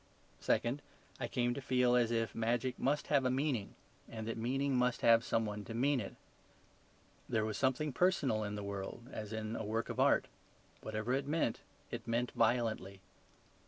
Second, I came to feel as if magic must have a meaning, and meaning must have some one to mean it. There was something personal in the world, as in a work of art; whatever it meant it meant violently.